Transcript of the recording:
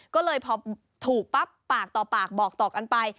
ก็เลยพอถูกปั๊บปากต่อปากบอกต่อกันไป